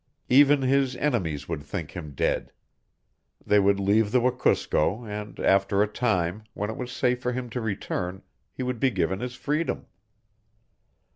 Even his enemies would think him dead. They would leave the Wekusko and after a time, when it was safe for him to return, he would be given his freedom.